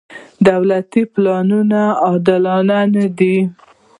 دولتي پلانونه عادلانه نه دي.